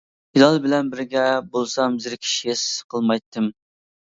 ھىلال بىلەن بىرگە بولسام زېرىكىش ھېس قىلمايتتىم.